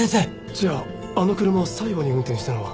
じゃああの車を最後に運転したのは古久沢？